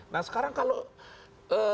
nah sekarang kalau pilpres